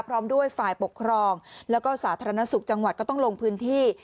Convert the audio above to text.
พร้อมด้วยฝ่ายปกครองแล้วก็สาธารณสุขจังหวัดก็ต้องลงพื้นที่